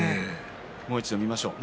もう一度見ましょう。